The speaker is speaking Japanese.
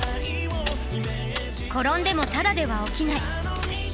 転んでもただでは起きない。